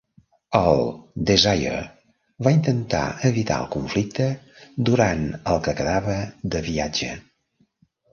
El "Desire" va intentar evitar el conflicte durant el que quedava de viatge.